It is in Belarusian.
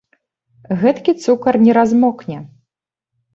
Гэткі цукар не размокне.